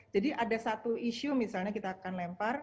jadi ada satu isu misalnya kita akan lempar